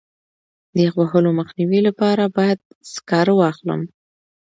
د یخ وهلو مخنیوي لپاره باید سکاره واخلم.